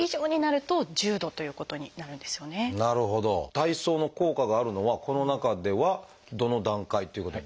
体操の効果があるのはこの中ではどの段階ということに？